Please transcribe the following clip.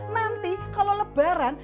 nanti kalau lebaran